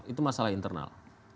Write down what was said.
itu masalah internal